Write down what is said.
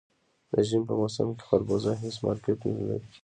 د ژمي په موسم کې خربوزه هېڅ مارکېټ نه لري.